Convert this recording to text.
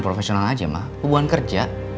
profesional aja mah hubungan kerja